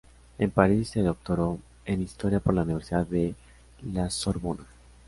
En París se doctoró en Historia por la Universidad de La Sorbona.